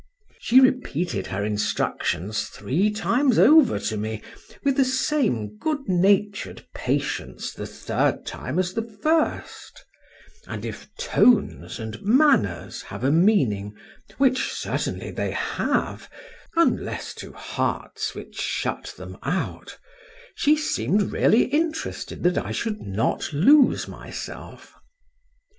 — She repeated her instructions three times over to me, with the same goodnatur'd patience the third time as the first;—and if tones and manners have a meaning, which certainly they have, unless to hearts which shut them out,—she seemed really interested that I should not lose myself.